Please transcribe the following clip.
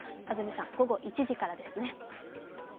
安住さん、午後１時からですね。